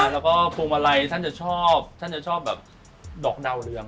แล้วก็พวงมาลัยท่านจะชอบท่านจะชอบแบบดอกดาวเรือง